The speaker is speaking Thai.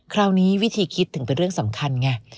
คราวนี้วิธีคิดถึงเป็นเรื่องสำคัญไง